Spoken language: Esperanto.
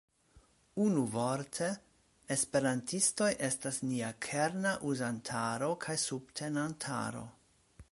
Unuvorte, esperantistoj estas nia kerna uzantaro kaj subtenantaro.